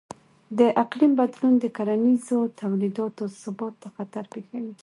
د اقلیم بدلون د کرنیزو تولیداتو ثبات ته خطر پېښوي.